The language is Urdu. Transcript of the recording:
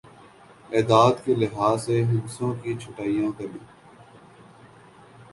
اعداد کے لحاظ سے ہندسوں کی چھٹائی کریں